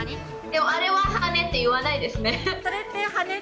でもあれは羽根って言わないですね。